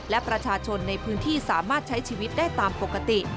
และประชาชนในพื้นที่สามารถใช้ชีวิตได้ตามปกติ